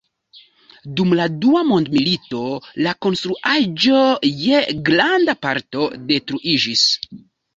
Dum la Dua Mondmilito la konstruaĵo je granda parto detruiĝis.